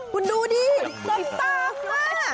คุณดูดี่ต่างมาก